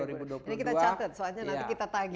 ini kita catet soalnya nanti kita tagih